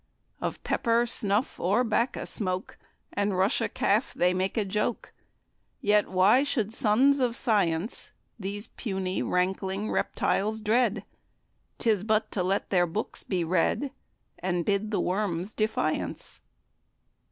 Of pepper, snuff, or 'bacca smoke, And Russia calf they make a joke. Yet, why should sons of science These puny rankling reptiles dread? 'Tis but to let their books be read, And bid the worms defiance."